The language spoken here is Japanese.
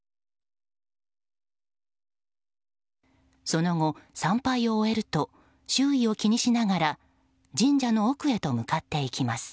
その後、参拝を終えると周囲を気にしながら神社の奥へと向かっていきます。